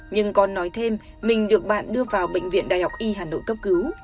nhưng con nói thêm mình được bạn đưa vào bệnh viện đại học y hà nội cấp cứu